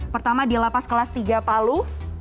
pertama di lapas kelas tiga palu